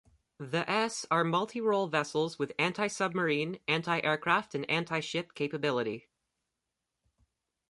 The s are multi-role vessels with anti-submarine, anti-aircraft and anti-ship capability.